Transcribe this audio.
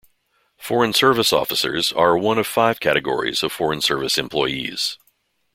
Foreign Service Officers are one of five categories of Foreign Service employees.